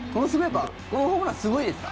このホームランすごいですか？